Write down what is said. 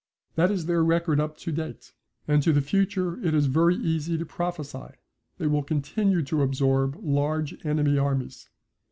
That is their record up to date. As to the future it is very easy to prophesy. They will continue to absorb large enemy armies.